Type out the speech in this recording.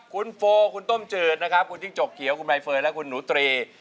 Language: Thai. คุณโฟคุณต้มจืดนะครับคุณจิ้งจกเขียวคุณใบเฟิร์นและคุณหนูตรี